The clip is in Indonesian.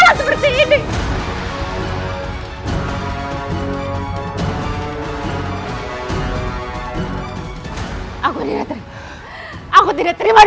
ibu tidakaktifkan pada diri saya